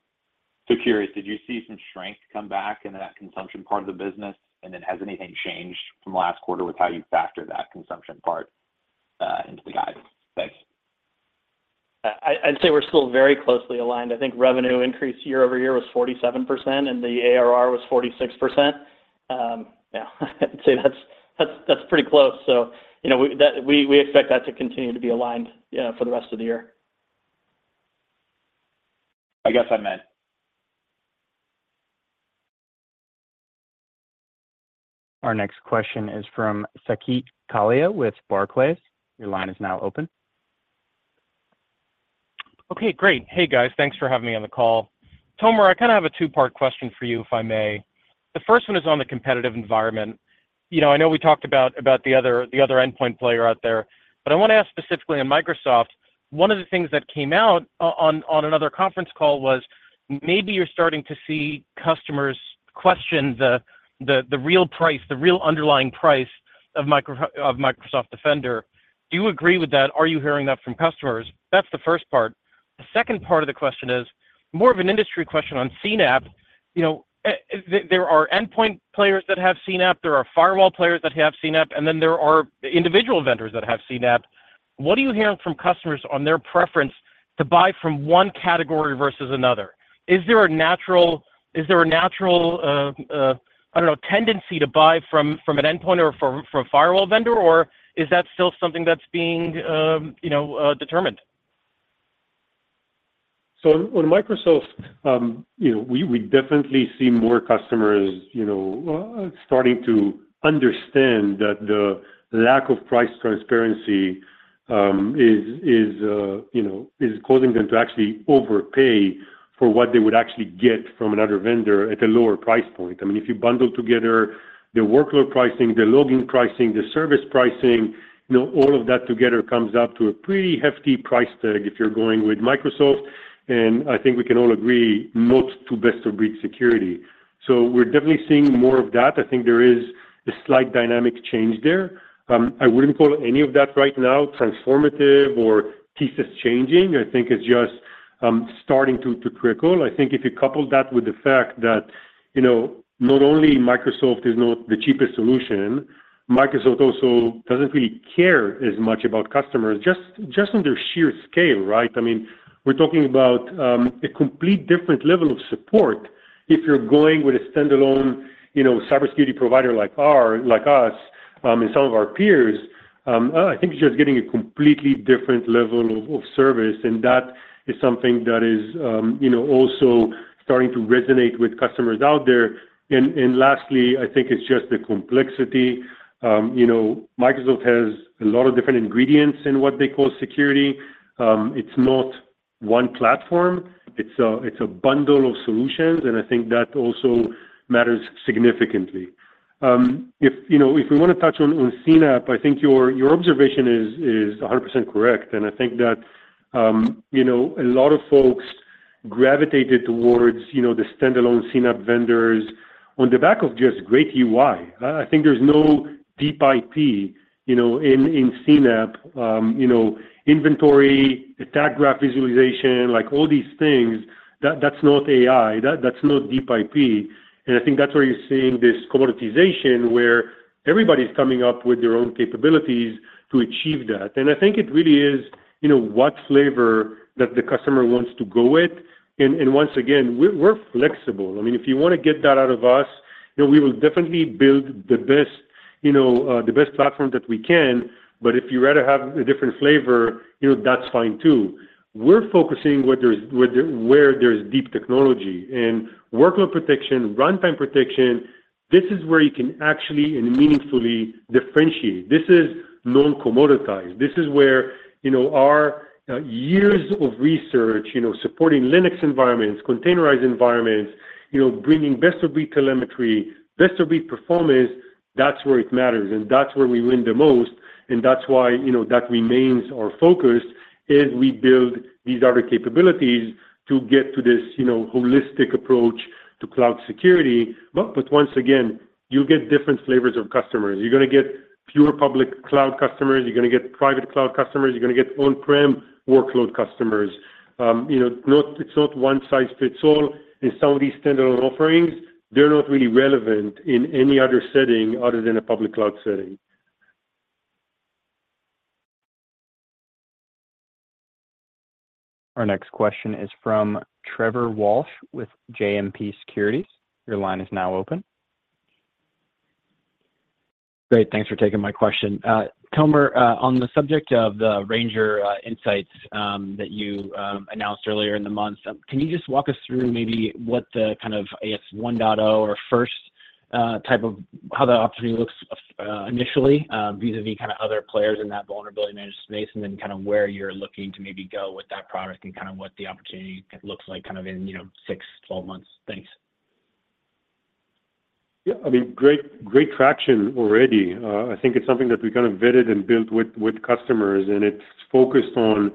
So curious, did you see some strength come back in that consumption part of the business? And then, has anything changed from last quarter with how you factor that consumption part into the guidance? Thanks. I'd say we're still very closely aligned. I think revenue increase year-over-year was 47%, and the ARR was 46%. Yeah, I'd say that's pretty close. So, you know, we expect that to continue to be aligned for the rest of the year. I guess I'm in. Our next question is from Saket Kalia with Barclays. Your line is now open. Okay, great. Hey, guys. Thanks for having me on the call. Tomer, I kind of have a two-part question for you, if I may. The first one is on the competitive environment. You know, I know we talked about the other endpoint player out there, but I want to ask specifically on Microsoft. One of the things that came out on another conference call was maybe you're starting to see customers question the real price, the real underlying price of Microsoft Defender. Do you agree with that? Are you hearing that from customers? That's the first part. The second part of the question is more of an industry question on CNAPP. You know, there are endpoint players that have CNAPP, there are firewall players that have CNAPP, and then there are individual vendors that have CNAPP. What are you hearing from customers on their preference to buy from one category versus another? Is there a natural tendency to buy from an endpoint or from a firewall vendor, or is that still something that's being, you know, determined? So on Microsoft, you know, we definitely see more customers, you know, starting to understand that the lack of price transparency is causing them to actually overpay for what they would actually get from another vendor at a lower price point. I mean, if you bundle together the workload pricing, the login pricing, the service pricing, you know, all of that together comes up to a pretty hefty price tag if you're going with Microsoft, and I think we can all agree, not to best-of-breed security. So we're definitely seeing more of that. I think there is a slight dynamic change there. I wouldn't call any of that right now transformative or pieces changing. I think it's just starting to crackle. I think if you couple that with the fact that, you know, not only Microsoft is not the cheapest solution, Microsoft also doesn't really care as much about customers, just, just on their sheer scale, right? I mean, we're talking about a complete different level of support if you're going with a standalone, you know, cybersecurity provider like our, like us, and some of our peers. I think you're just getting a completely different level of service, and that is something that is, you know, also starting to resonate with customers out there. And lastly, I think it's just the complexity. You know, Microsoft has a lot of different ingredients in what they call security. It's not one platform, it's a bundle of solutions, and I think that also matters significantly. If, you know, if we want to touch on CNAPP, I think your observation is 100% correct, and I think that you know, a lot of folks gravitated towards, you know, the standalone CNAPP vendors on the back of just great UI. I think there's no deep IP, you know, in CNAPP, you know, inventory, attack graph visualization, like all these things, that's not AI, that's not deep IP. And I think that's where you're seeing this commoditization, where everybody's coming up with their own capabilities to achieve that. And I think it really is, you know, what flavor that the customer wants to go with. And once again, we're flexible. I mean, if you wanna get that out of us, you know, we will definitely build the best, you know, the best platform that we can. But if you'd rather have a different flavor, you know, that's fine too. We're focusing where there's deep technology and workload protection, runtime protection, this is where you can actually and meaningfully differentiate. This is non-commoditized. This is where, you know, our years of research, you know, supporting Linux environments, containerized environments, you know, bringing best-of-breed telemetry, best-of-breed performance, that's where it matters, and that's where we win the most, and that's why, you know, that remains our focus as we build these other capabilities to get to this, you know, holistic approach to cloud security. But once again, you get different flavors of customers. You're gonna get pure public cloud customers, you're gonna get private cloud customers, you're gonna get on-prem workload customers. You know, it's not one size fits all. And some of these standalone offerings, they're not really relevant in any other setting other than a public cloud setting. Our next question is from Trevor Walsh with JMP Securities. Your line is now open. Great. Thanks for taking my question. Tomer, on the subject of the Ranger Insights that you announced earlier in the month, can you just walk us through maybe what the kind of, I guess, 1.0 or first take of how the opportunity looks initially vis-à-vis kind of other players in that vulnerability management space, and then kind of where you're looking to maybe go with that product and kind of what the opportunity looks like kind of in, you know, six, 12 months? Thanks. Yeah, I mean, great, great traction already. I think it's something that we kind of vetted and built with customers, and it's focused on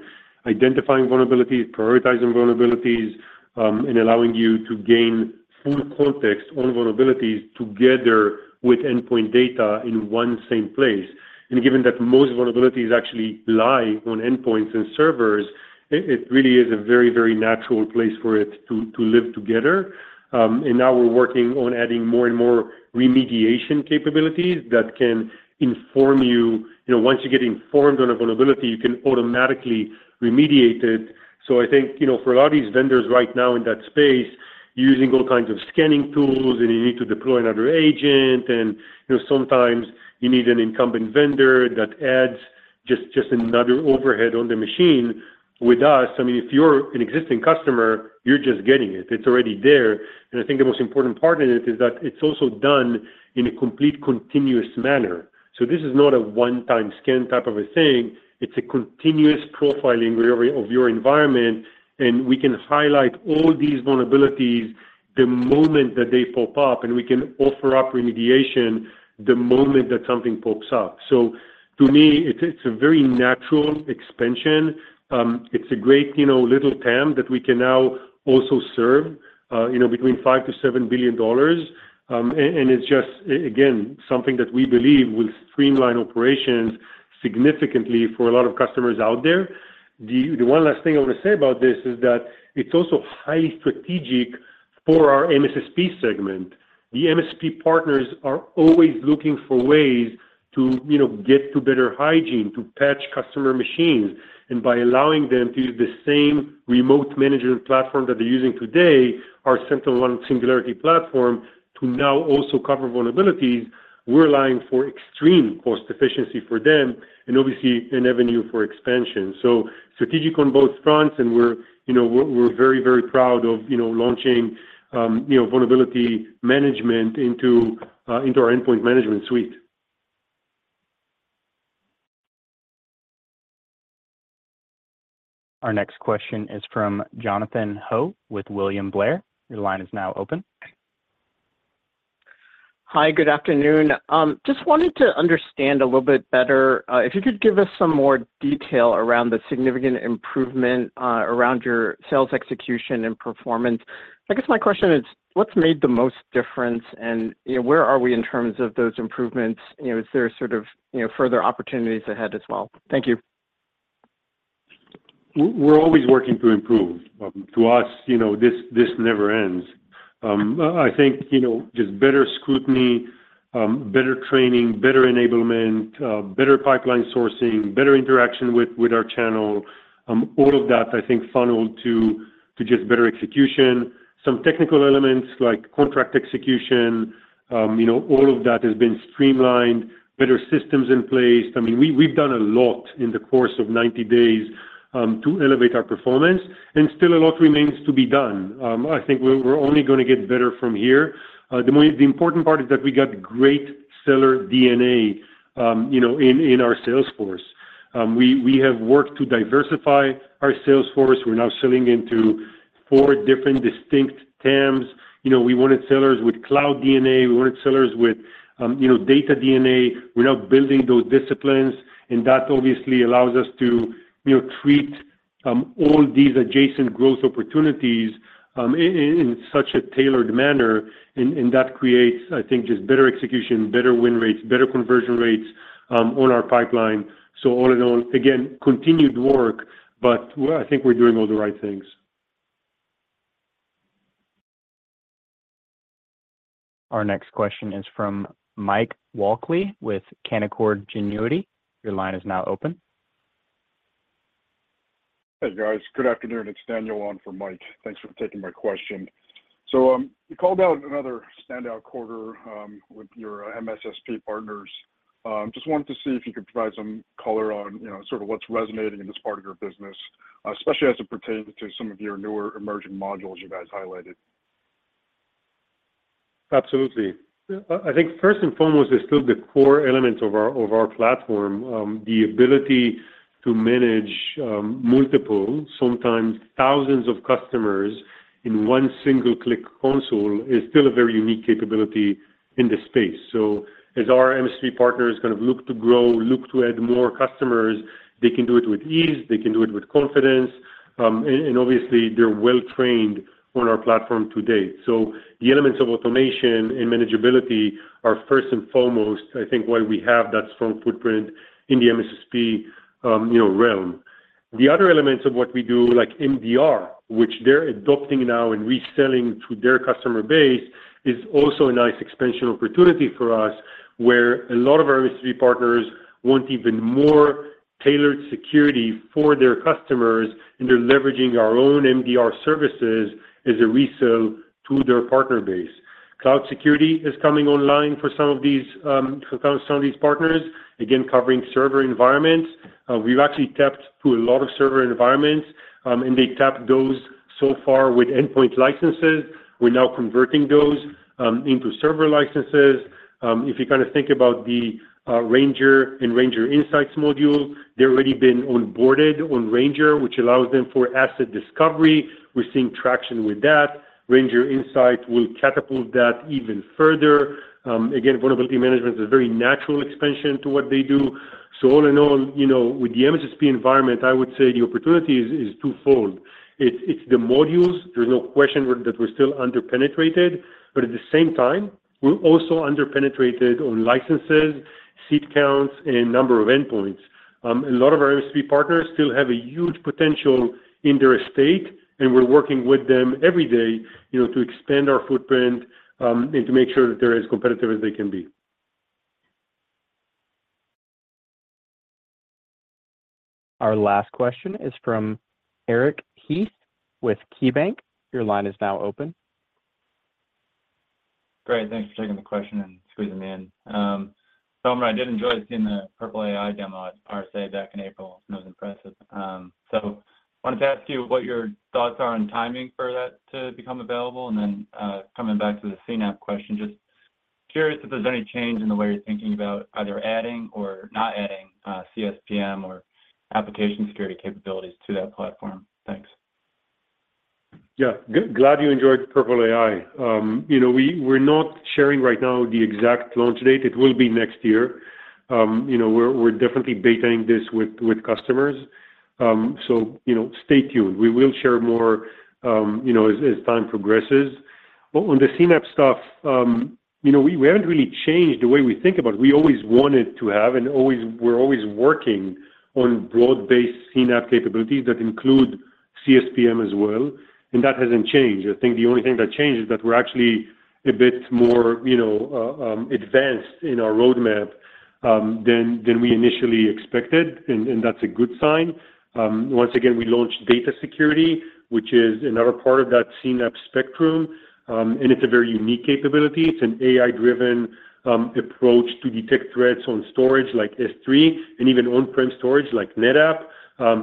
identifying vulnerabilities, prioritizing vulnerabilities, and allowing you to gain full context on vulnerabilities together with endpoint data in one same place. And given that most vulnerabilities actually lie on endpoints and servers, it really is a very, very natural place for it to live together. And now we're working on adding more and more remediation capabilities that can inform you. You know, once you get informed on a vulnerability, you can automatically remediate it. So, I think, you know, for a lot of these vendors right now in that space, using all kinds of scanning tools, and you need to deploy another agent, and, you know, sometimes you need an incumbent vendor that adds just, just another overhead on the machine. With us, I mean, if you're an existing customer, you're just getting it. It's already there. And I think the most important part in it is that it's also done in a complete, continuous manner. So this is not a one-time scan type of a thing. It's a continuous profiling re- of your environment, and we can highlight all these vulnerabilities the moment that they pop up, and we can offer up remediation the moment that something pokes up. So to me, it's a, it's a very natural expansion. It's a great, you know, little TAM that we can now also serve, you know, between $5 billion-$7 billion. And it's just, again, something that we believe will streamline operations significantly for a lot of customers out there. The one last thing I want to say about this is that it's also highly strategic for our MSSP segment. The MSSP partners are always looking for ways to, you know, get to better hygiene, to patch customer machines. And by allowing them to use the same remote management platform that they're using today, our SentinelOne Singularity Platform, to now also cover vulnerabilities, we're allowing for extreme cost efficiency for them and obviously an avenue for expansion. So strategic on both fronts, and we're, you know, we're very, very proud of, you know, launching, you know, vulnerability management into our endpoint management suite. Our next question is from Jonathan Ho with William Blair. Your line is now open. Hi, good afternoon. Just wanted to understand a little bit better, if you could give us some more detail around the significant improvement, around your sales execution and performance. I guess my question is, what's made the most difference and, you know, where are we in terms of those improvements? You know, is there sort of, you know, further opportunities ahead as well? Thank you. We're always working to improve. To us, you know, this never ends. I think, you know, just better scrutiny, better training, better enablement, better pipeline sourcing, better interaction with our channel, all of that, I think, funneled to just better execution. Some technical elements like contract execution, you know, all of that has been streamlined, better systems in place. I mean, we've done a lot in the course of 90 days to elevate our performance, and still a lot remains to be done. I think we're only gonna get better from here. The important part is that we got great seller DNA, you know, in our sales force. We have worked to diversify our sales force. We're now selling into four different distinct TAMs. You know, we wanted sellers with cloud DNA, we wanted sellers with, you know, data DNA. We're now building those disciplines, and that obviously allows us to, you know, treat, all these adjacent growth opportunities, in such a tailored manner, and, and that creates, I think, just better execution, better win rates, better conversion rates, on our pipeline. So all in all, again, continued work, but we-- I think we're doing all the right things. Our next question is from Mike Walkley, with Canaccord Genuity. Your line is now open. Hey, guys. Good afternoon. It's Daniel on for Mike. Thanks for taking my question. So, you called out another standout quarter, with your MSSP partners. Just wanted to see if you could provide some color on, you know, sort of what's resonating in this part of your business, especially as it pertains to some of your newer emerging modules you guys highlighted. Absolutely. I think first and foremost, it's still the core elements of our platform. The ability to manage multiple, sometimes thousands of customers in one single-click console is still a very unique capability in this space. So as our MSSP partners kind of look to grow, look to add more customers, they can do it with ease, they can do it with confidence, and obviously, they're well-trained on our platform today. So the elements of automation and manageability are first and foremost, I think, why we have that strong footprint in the MSSP, you know, realm. The other elements of what we do, like MDR, which they're adopting now and reselling to their customer base, is also a nice expansion opportunity for us, where a lot of our MSSP partners want even more tailored security for their customers, and they're leveraging our own MDR services as a resell to their partner base. Cloud security is coming online for some of these partners, again, covering server environments. We've actually tapped to a lot of server environments, and they tap those so far with endpoint licenses. We're now converting those into server licenses. If you kinda think about the Ranger and Ranger Insights module, they've already been onboarded on Ranger, which allows them for asset discovery. We're seeing traction with that. Ranger Insight will catapult that even further. Again, vulnerability management is a very natural expansion to what they do. So all in all, you know, with the MSSP environment, I would say the opportunity is twofold. It's the modules, there's no question that we're still under-penetrated, but at the same time, we're also under-penetrated on licenses, seat counts, and number of endpoints. A lot of our MSP partners still have a huge potential in their estate, and we're working with them every day, you know, to expand our footprint, and to make sure that they're as competitive as they can be. Our last question is from Eric Heath, with KeyBanc. Your line is now open. Great. Thanks for taking the question and squeezing me in. Sommer, I did enjoy seeing the Purple AI demo at RSA back in April. It was impressive. So wanted to ask you what your thoughts are on timing for that to become available, and then, coming back to the CNAPP question, just curious if there's any change in the way you're thinking about either adding or not adding, CSPM or application security capabilities to that platform. Thanks. Yeah. Good, glad you enjoyed Purple AI. You know, we're not sharing right now the exact launch date. It will be next year. You know, we're definitely betaing this with customers. So, you know, stay tuned. We will share more, you know, as time progresses. But on the CNAPP stuff, you know, we haven't really changed the way we think about it. We always wanted to have, and we're always working on broad-based CNAPP capabilities that include CSPM as well, and that hasn't changed. I think the only thing that changed is that we're actually a bit more, you know, advanced in our roadmap than we initially expected, and that's a good sign. Once again, we launched data security, which is another part of that CNAPP spectrum, and it's a very unique capability. It's an AI-driven approach to detect threats on storage like S3 and even on-prem storage like NetApp.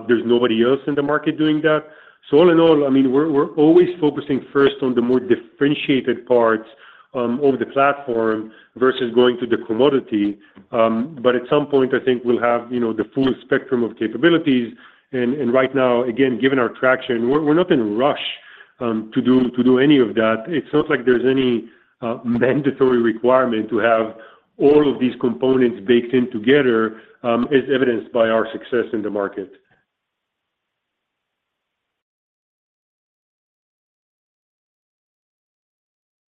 There's nobody else in the market doing that. So all in all, I mean, we're always focusing first on the more differentiated parts of the platform versus going to the commodity. But at some point, I think we'll have, you know, the full spectrum of capabilities. And right now, again, given our traction, we're not in a rush to do any of that. It's not like there's any mandatory requirement to have all of these components baked in together, as evidenced by our success in the market.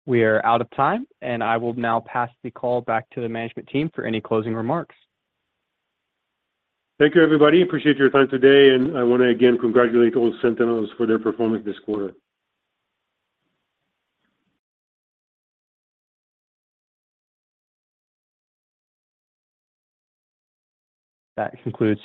We are out of time, and I will now pass the call back to the management team for any closing remarks. Thank you, everybody. Appreciate your time today, and I wanna again congratulate all Sentinels for their performance this quarter. That concludes.